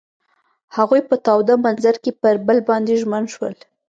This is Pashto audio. هغوی په تاوده منظر کې پر بل باندې ژمن شول.